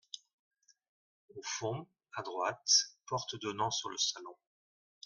Au fond, à droite, porte donnant sur le salon.